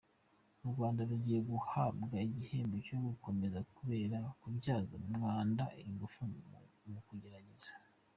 U Rwanda rugiye guhabwa igihembo na komesa kubera kubyaza umwanda ingufu mu magereza